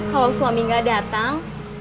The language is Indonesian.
kalau suami nggak datang